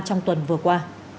trong tuần vừa qua